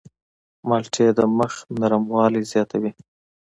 مالټې د مخ نرموالی زیاتوي.